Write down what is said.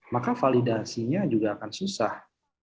maka validasinya juga akan susah